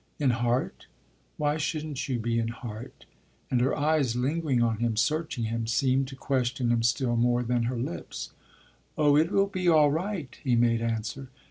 "In heart? Why shouldn't you be in heart?" And her eyes, lingering on him, searching him, seemed to question him still more than her lips. "Oh it will be all right!" he made answer.